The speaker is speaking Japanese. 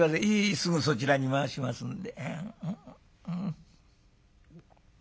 すぐそちらに回しますんで」。